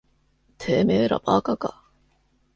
てめえら馬鹿か。